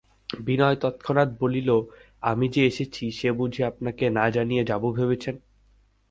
বিনয় তৎক্ষণাৎ বলিল, আমি যে এসেছি সে বুঝি আপনাকে না জানিয়ে যাব ভেবেছেন?